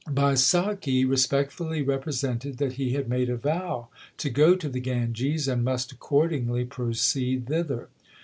Baisakhi respectfully represented that he had made a vow to go to the Ganges, and must accordingly proceed thither.